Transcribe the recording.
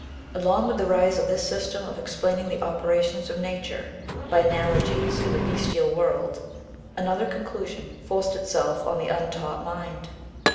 Along with the rise of this system of explaining the operations of nature by analogies in the bestial world, another conclusion forced itself on the untaught mind.